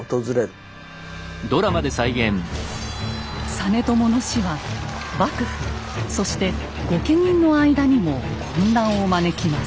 実朝の死は幕府そして御家人の間にも混乱を招きます。